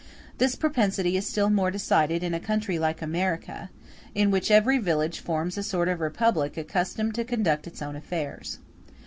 This propensity is still more decided in a country like America, in which every village forms a sort of republic accustomed to conduct its own affairs.